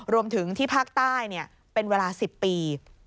รวมถึงที่ภาคใต้เป็นเวลา๑๐ปี